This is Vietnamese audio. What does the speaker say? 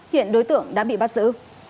hiện đối tượng đã bị bắt giữ